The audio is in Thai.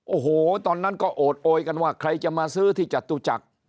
โอ้โหตอนนั้นก็โอดโอยกันว่าใครจะมาซื้อที่จตุจักร